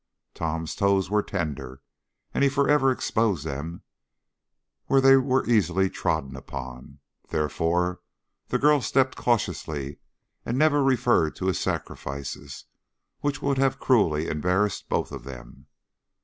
Tom's toes were tender, and he forever exposed them where they were easily trodden upon, therefore the girl stepped cautiously and never even referred to his sacrifices, which would have cruelly embarrassed both of them.